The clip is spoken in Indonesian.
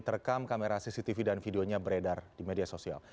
terekam kamera cctv dan videonya beredar di media sosial